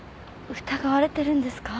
疑われてるんですか？